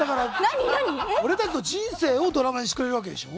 俺たちの人生をドラマにしてくれたわけでしょ。